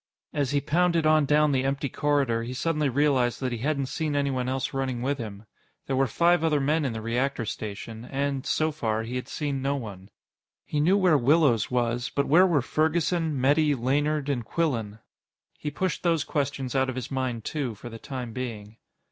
As he pounded on down the empty corridor, he suddenly realized that he hadn't seen anyone else running with him. There were five other men in the reactor station, and so far he had seen no one. He knew where Willows was, but where were Ferguson, Metty, Laynard, and Quillan? He pushed those questions out of his mind, too, for the time being.